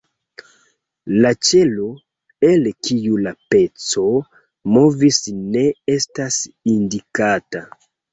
La ĉelo, el kiu la peco movis, ne estas indikata.